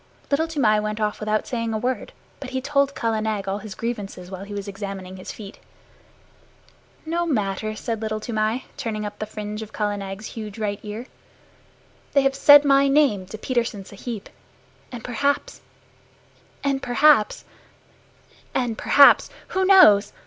Little Toomai went off without saying a word, but he told Kala Nag all his grievances while he was examining his feet. "No matter," said Little Toomai, turning up the fringe of Kala Nag's huge right ear. "They have said my name to Petersen Sahib, and perhaps and perhaps and perhaps who knows?